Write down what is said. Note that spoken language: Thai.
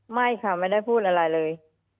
ไม่ค่ะไม่ได้พูดอะไรเลย